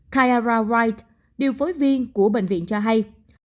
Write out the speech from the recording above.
kyra wright điều phối viên của bệnh viện cho hay